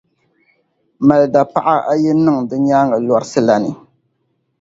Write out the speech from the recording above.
mali dapaɣa ayi niŋ di nyaaŋa lɔrisi la ni.